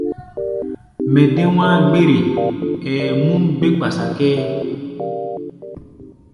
Mɛ dé wá̧á̧-gbére, ɛɛ múm bé kpasa kʼɛ́ɛ́.